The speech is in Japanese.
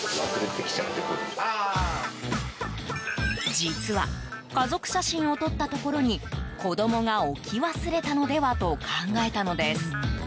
実は家族写真を撮ったところに子供が置き忘れたのではと考えたのです。